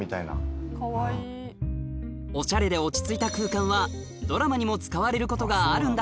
おしゃれで落ち着いた空間はドラマにも使われることがあるんだ